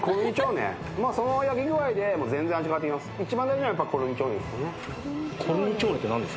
その焼き具合で全然味変わってきます。